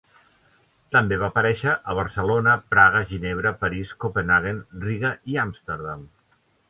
També va aparèixer a Barcelona, Praga, Ginebra, París, Copenhaguen, Riga i Amsterdam.